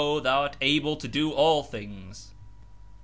Thou art Able to do all things.